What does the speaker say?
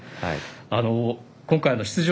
今回の出場